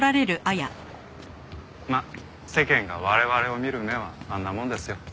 まあ世間が我々を見る目はあんなもんですよ。